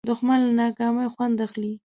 دښمن له ناکامۍ خوند اخلي